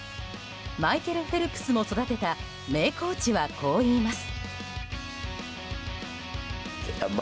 マイケル・フェルプスも育てた名コーチはこう言います。